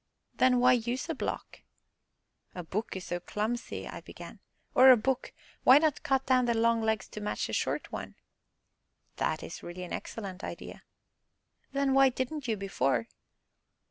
"Then why use a block?" "A book is so clumsy " I began. "Or a book? Why not cut down the long legs to match the short one?" "That is really an excellent idea." "Then why didn't you before?"